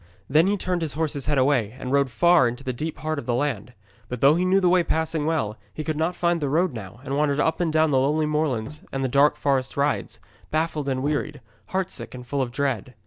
Then he turned his horse's head away and rode far into the deep heart of the land. But though he knew the way passing well, he could not find the road now, and wandered up and down the lonely moorlands and the dark forest rides, baffled and wearied, heartsick and full of dread.